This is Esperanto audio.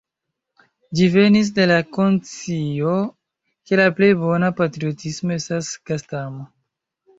Ĝi venis de la konscio, ke la plej bona patriotismo estas gastamo!